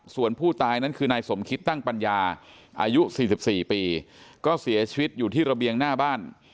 ส่วนผู้ตายนั้นคือนายสมคิดตั้งปัญญาอายุ๔๔ปีก็เสียชีวิตอยู่ที่ระเบียงหน้าบ้าน